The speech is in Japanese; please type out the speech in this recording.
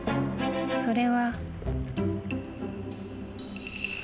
［それは］